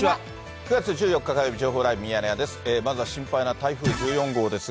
９月１４日火曜日、情報ライブミヤネ屋です。